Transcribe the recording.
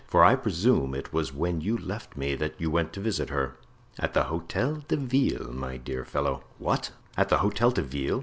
for I presume it was when you left me that you went to visit her." "At the Hotel de Ville, my dear fellow." "What! at the Hotel de Ville?